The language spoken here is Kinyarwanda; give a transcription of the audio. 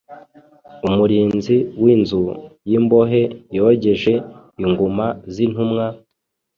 Umurinzi w’inzu y’imbohe yogeje inguma z’intumwa,